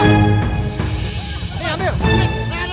nggak ada duit